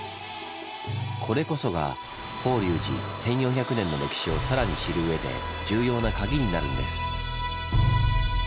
これこそが法隆寺１４００年の歴史を更に知る上で重要なカギになるんです。